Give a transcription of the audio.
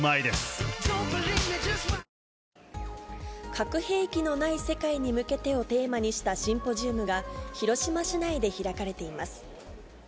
核兵器のない世界に向けてをテーマにしたシンポジウムが広島市内で開かれています。